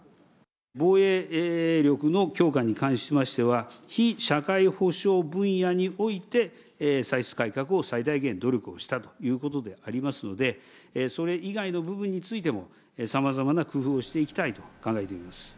防衛力の強化に関しましては、非社会保障分野において、歳出改革を最大限努力をしたということでありますので、それ以外の部分についても、さまざまな工夫をしていきたいと考えています。